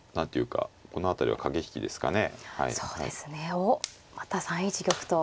おっまた３一玉と。